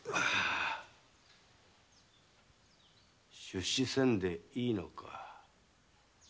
出仕せんでいいのか。